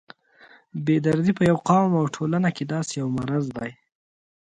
بې دردي په یو قوم او ټولنه کې داسې یو مرض دی.